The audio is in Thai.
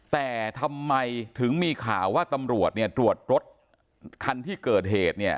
แต่ทำไมถึงมีข่าวว่าตำรวจรวดรถคันที่เกิดเหตุ